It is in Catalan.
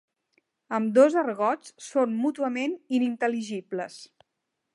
Ambdós argots són mútuament inintel·ligibles.